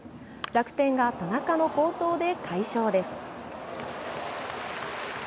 楽天が田中の好投で快勝です。